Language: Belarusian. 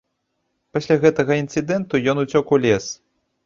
Пасля гэтага інцыдэнту ён уцёк у лес.